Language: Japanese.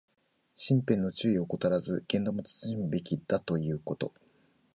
身辺の注意を怠らず、言動も慎むべきだということ。